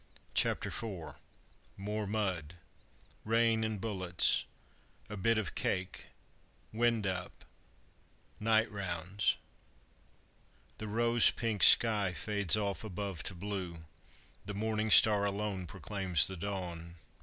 CHAPTER IV MORE MUD RAIN AND BULLETS A BIT OF CAKE "WIND UP" NIGHT ROUNDS The rose pink sky fades off above to blue, The morning star alone proclaims the dawn.